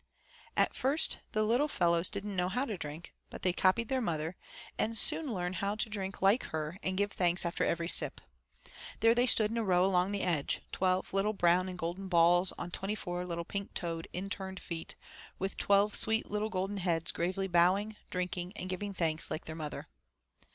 At first the little fellows didn't know how to drink, but they copied their mother, and soon learned to drink like her and give thanks after every sip. There they stood in a row along the edge, twelve little brown and golden balls on twenty four little pink toed, in turned feet, with twelve sweet little golden heads gravely bowing, drinking and giving thanks like their mother.